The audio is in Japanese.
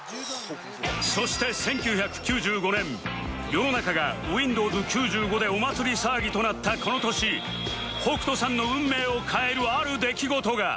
そして１９９５年世の中が Ｗｉｎｄｏｗｓ９５ でお祭り騒ぎとなったこの年北斗さんの運命を変えるある出来事が